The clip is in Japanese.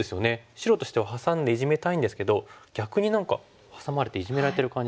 白としてはハサんでイジメたいんですけど逆に何かハサまれてイジメられてる感じですよね。